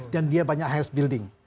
dan dia banyak house building